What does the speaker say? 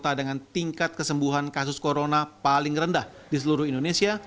kota dengan tingkat kesembuhan kasus corona paling rendah di seluruh indonesia